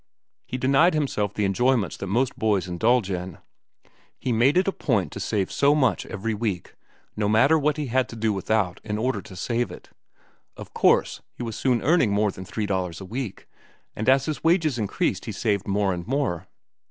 He denied himself the enjoyments that most boys indulge in. He made it a point to save so much every week, no matter what he had to do without in order to save it. Of course, he was soon earning more than three dollars a week, and as his wages increased he saved more and more.